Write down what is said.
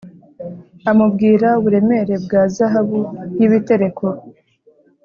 Amubwira uburemere bwa zahabu y ibitereko